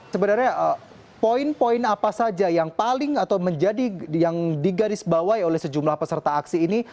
sebenarnya poin poin apa saja yang paling atau menjadi yang digarisbawahi oleh sejumlah peserta aksi ini